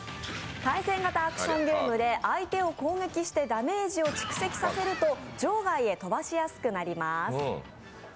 対戦型アクションゲームで相手を攻撃してダメージを蓄積させると場外へ飛ばしやすくなります。